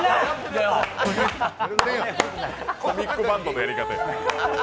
コミックバンドのやり方や。